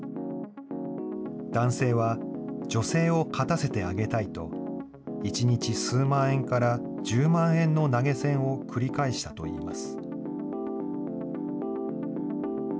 男性は、女性を勝たせてあげたいと、１日数万円から１０万円の投げ銭を繰り返したといいます。